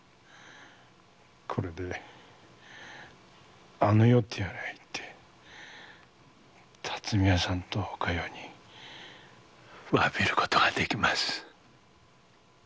これであの世とやらへ行って巽屋さんとお加代に詫びることができます。